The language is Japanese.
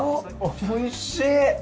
おいしい！